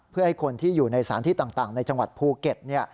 เพื่อให้คนที่อยู่ในสถานที่ต่างในจังหวัดภูเก็ต